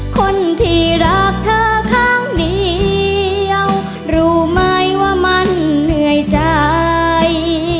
คนที่รักเธอครั้งเดียวรู้ไหมว่ามันเหนื่อยใจ